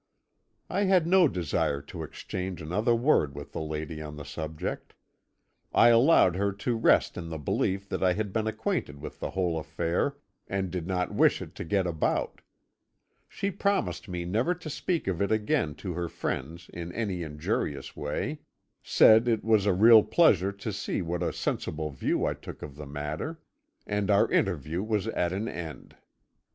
"I had no desire to exchange another word with the lady on the subject; I allowed her to rest in the belief that I had been acquainted with the whole affair, and did not wish it to get about. She promised me never to speak of it again to her friends in any injurious way, said it was a real pleasure to see what a sensible view I took of the matter, and our interview was at an end.